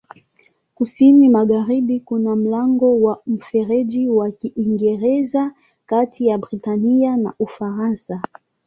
Kusini-magharibi kuna mlango wa Mfereji wa Kiingereza kati ya Britania na Ufaransa.